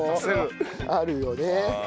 あるよね。